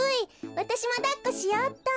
わたしもだっこしようっと。